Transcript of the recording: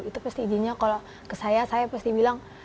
itu pasti izinnya kalau ke saya saya pasti bilang